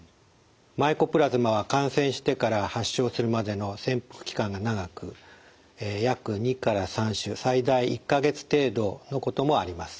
マイコプラズマは感染してから発症するまでの潜伏期間が長く約２から３週最大１か月程度のこともあります。